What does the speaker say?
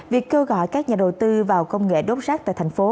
việc kêu gọi các nhà đầu tư vào công nghệ đốt rác tại thành phố